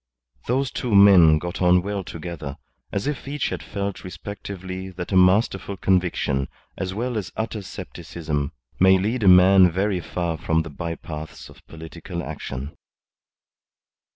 Those two men got on well together, as if each had felt respectively that a masterful conviction, as well as utter scepticism, may lead a man very far on the by paths of political action.